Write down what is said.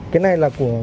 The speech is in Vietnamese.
cái này là của mỹ à